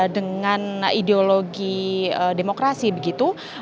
dengan ideologi demokrasi begitu